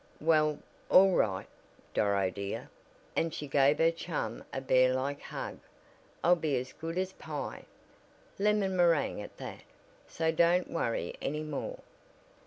"Well, all right, Doro dear," and she gave her chum a bear like hug, "I'll be as good as pie, lemon meringue at that, so don't worry any more."